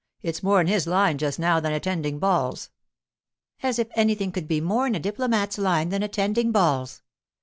It's more in his line just now than attending balls.' 'As if anything could be more in a diplomat's line than attending balls!